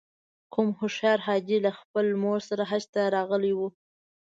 کوم هوښیار حاجي له خپلې مور سره حج ته راغلی و.